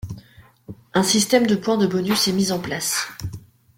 Un système de points de bonus est mis en place.